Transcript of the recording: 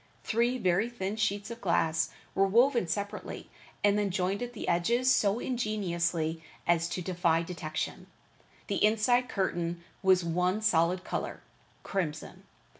Three very thin sheets of glass were woven separately and then joined at the edges so ingeniously as to defy detection. The inside curtain was one solid color: crimson.